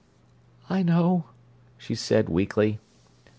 "I know," she said weakly.